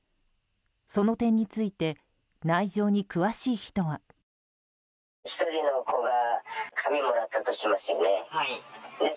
その点について内情に詳しい人は。